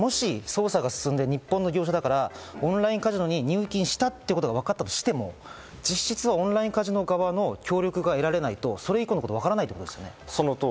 決済代行業者からもし捜査が進んで日本の業者だからオンラインカジノに入金したということが分かったとしても、実質、オンラインカジノ側の協力が得られないと、それ以降のことはわからないということですね。